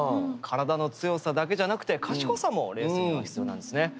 体の強さだけじゃなくて賢さもレースには必要なんですね。